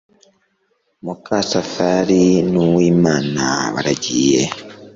mukasafari n' uwimana baragiye